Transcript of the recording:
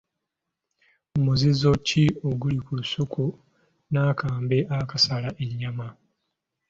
Muzizo ki oguli ku lusuku n'akambe akasala ennyama?